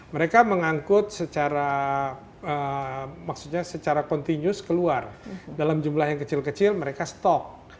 mereka mengangkut secara kontinus keluar dalam jumlah yang kecil kecil mereka stock